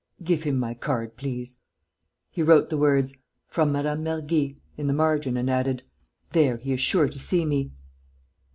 "Give him my card, please." He wrote the words, "From Mme. Mergy," in the margin and added: "There, he is sure to see me."